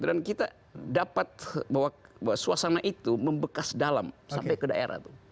dan kita dapat bahwa suasana itu membekas dalam sampai ke daerah